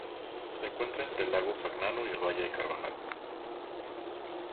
Se encuentra entre el lago Fagnano y el valle Carbajal.